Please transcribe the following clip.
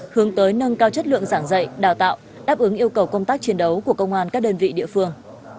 hướng tới nâng cao chất lượng giảng dạy đào tạo đáp ứng yêu cầu công tác chiến đấu của công an các đơn vị địa phương